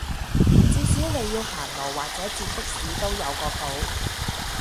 至少你要行路或者截的士都有個譜